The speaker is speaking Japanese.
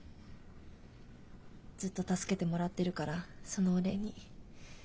ずっと助けてもらってるからそのお礼に。